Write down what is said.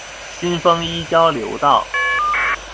新豐一交流道